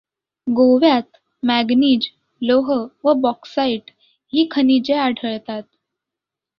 गोव्यात मॅगनीज, लोह व बॅाक्साईट ही खनिजे आढळतात.